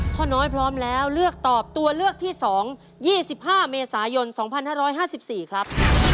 พ่อน้อยพร้อมแล้วเลือกตอบตัวเลือกที่๒๒๕เมษายน๒๕๕๔ครับ